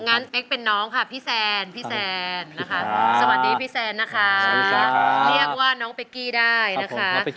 งั้นเป็นน้องค่ะพี่แซ่นพี่แซ่นนะคะสวัสดีพี่แซ่นนะคะสวัสดีค่ะ